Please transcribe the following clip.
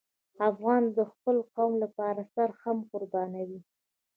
افغان د خپل قوم لپاره سر هم قربانوي.